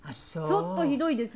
ちょっとひどいですよね。